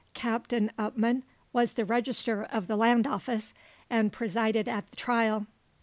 Captain Upman was the register of the land office, and presided at the trial.